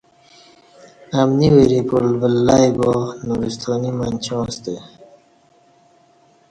امنی وریپول ولئی با نورستانی منچاں سته